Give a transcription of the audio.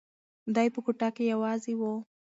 دی په کوټه کې یوازې و.